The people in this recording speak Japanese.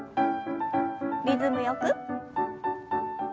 リズムよく。